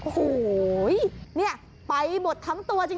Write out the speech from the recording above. ไหนคน